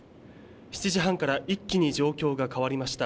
７時半から一気に状況が変わりました。